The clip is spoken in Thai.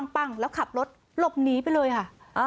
ปั้งแล้วขับรถหลบหนีไปเลยค่ะ